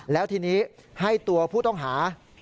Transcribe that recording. แล้วทีนี้ให้ตัวผู้ต้องหา